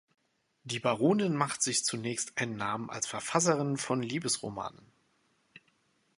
Die Baronin machte sich zunächst einen Namen als Verfasserin von Liebesromanen.